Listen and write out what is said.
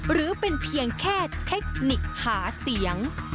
หรือเป็นเพียงแค่เทคนิคหาเสียง